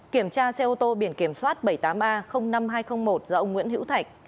kiểm tra xe ô tô biển kiểm soát bảy mươi tám a năm nghìn hai trăm linh một do ông nguyễn hữu thạch